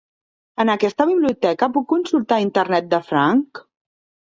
En aquesta biblioteca puc consultar Internet de franc?